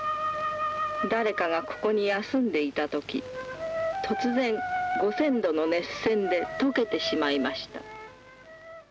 誰かがここに休んでいた時突然５，０００度の熱線で溶けてしまいました